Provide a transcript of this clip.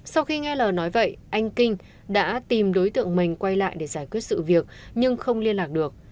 sau khi nghe lời nói vậy anh kinh đã tìm đối tượng mình quay lại để giải quyết sự việc nhưng không liên lạc được